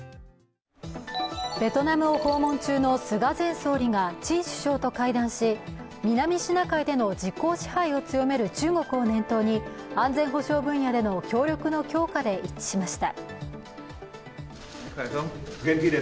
ベトナムを訪問中の菅前総理がチン首相と会談し南シナ海での実効支配を強める中国を念頭に安全保障分野での協力の強化で一致しました。